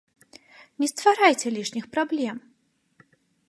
Не стварайце лішніх праблем.